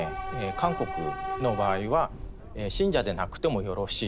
韓国の場合は信者でなくてもよろしいと。